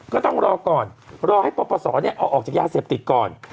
ก็ต้องรอก่อนรอให้ปปศเอาออกจากยาเสพติดก่อน